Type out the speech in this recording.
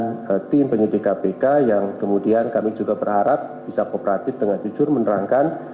dan tim penyidik kpk yang kemudian kami juga berharap bisa kooperatif dengan jujur menerangkan